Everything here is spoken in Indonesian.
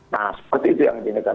nah seperti itu yang diingatkan